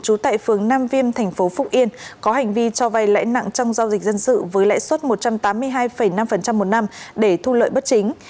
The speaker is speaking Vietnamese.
trú tại phường nam viêm thành phố phúc yên có hành vi cho vay lãi nặng trong giao dịch dân sự với lãi suất một trăm tám mươi hai năm một năm để thu lợi bất chính